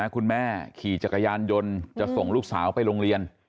คุณแม่ขี่จักรยานยนต์จะส่งลูกสาวไปโรงเรียน